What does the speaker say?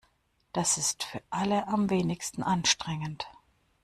Das ist für alle am wenigsten anstrengend.